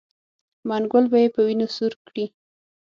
منګل به یې په وینو سور کړي.